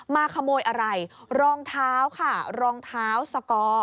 มาขโมยอะไรรองเท้าค่ะรองเท้าสกอร์